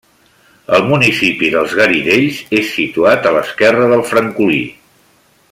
El municipi dels Garidells és situat a l'esquerra del Francolí.